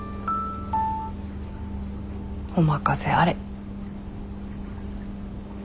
お任せあれ。